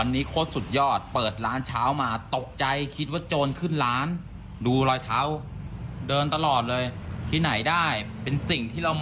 รอยเท้าใหญ่เท้าเล็กมาก